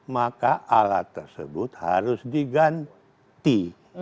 maka alat tersebut harus diganti